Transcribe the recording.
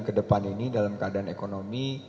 kedepan ini dalam keadaan ekonomi